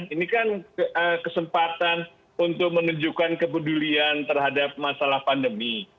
ini kan kesempatan untuk menunjukkan kepedulian terhadap masalah pandemi